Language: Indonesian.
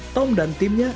tom dan timnya